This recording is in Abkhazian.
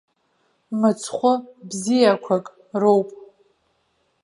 Мыцхәы бзиақәак роуп.